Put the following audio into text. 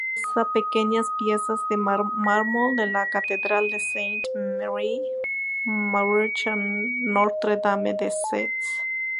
Igualmente realiza pequeñas piezas de mármol de la Catedral de Sainte-Marie-Majeure o Notre-Dame-de-Seds.